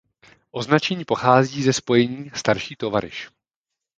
Označení pochází ze spojení "starší tovaryš".